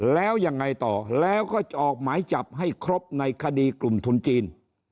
แล้วยังไงต่อแล้วก็จะออกหมายจับให้ครบในคดีกลุ่มทุนจีน